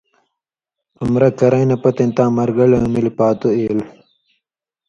عمرہ کرَیں نہ پتَیں تاں مرگلئیؤں مِلیۡ پاتُو ایلوۡ۔